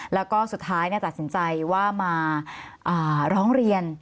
แล้วก็สุดท้ายตัดสินใจว่ามาร้องเรียน